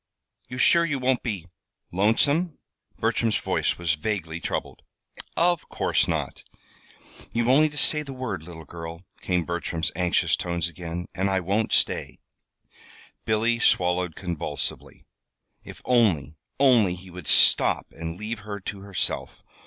"You sure you won't be lonesome?" Bertram's voice was vaguely troubled. "Of course not!" "You've only to say the word, little girl," came Bertram's anxious tones again, "and I won't stay." Billy swallowed convulsively. If only, only he would stop and leave her to herself!